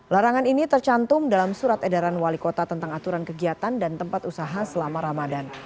larangan ini tercantum dalam surat edaran wali kota tentang aturan kegiatan dan tempat usaha selama ramadan